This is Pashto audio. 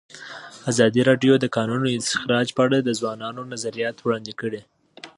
ازادي راډیو د د کانونو استخراج په اړه د ځوانانو نظریات وړاندې کړي.